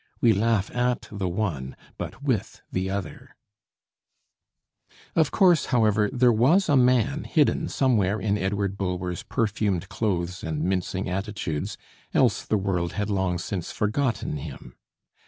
We laugh at the one, but with the other. [Illustration: BULWER LYTTON.] Of course, however, there was a man hidden somewhere in Edward Bulwer's perfumed clothes and mincing attitudes, else the world had long since forgotten him.